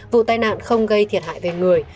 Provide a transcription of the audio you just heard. vụ tai nạn không gây thiệt hại về người